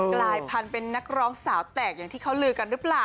กลายพันธุ์เป็นนักร้องสาวแตกอย่างที่เขาลือกันหรือเปล่า